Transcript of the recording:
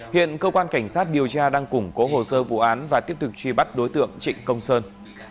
hiện cơ quan cảnh sát điều tra đang củng cố hồ sơ vụ án và tiếp tục truy bắt đối tượng trịnh công sơn